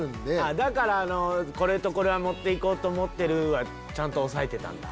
だから「これとこれは持って行こうと思ってる」はちゃんと押さえてたんだ。